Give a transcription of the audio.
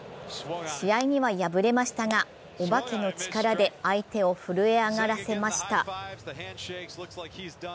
試合には敗れましたが、お化けの力で相手を震え上がらせました。